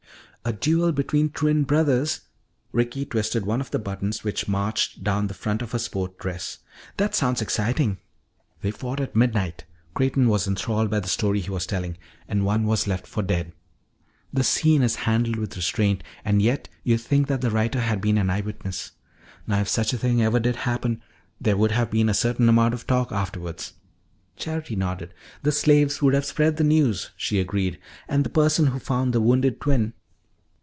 "A duel between twin brothers." Ricky twisted one of the buttons which marched down the front of her sport dress. "That sounds exciting." "They fought at midnight" Creighton was enthralled by the story he was telling "and one was left for dead. The scene is handled with restraint and yet you'd think that the writer had been an eye witness. Now if such a thing ever did happen, there would have been a certain amount of talk afterwards " Charity nodded. "The slaves would have spread the news," she agreed, "and the person who found the wounded twin."